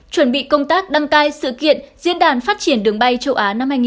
chuẩn bị công tác đăng cai sự kiện diễn đàn phát triển đường bay châu á năm hai nghìn hai mươi